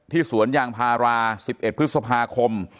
สวนยางพารา๑๑พฤษภาคม